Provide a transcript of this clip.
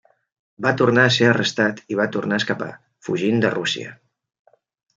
Va tornar a ser arrestat i va tornar a escapar, fugint de Rússia.